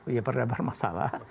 iya perda bermasalah